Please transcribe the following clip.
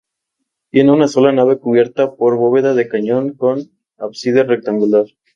Tiene una sola nave cubierta por bóveda de cañón, con ábside rectangular.